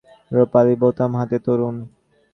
রুপালি বোতাম হাতে তরুণ।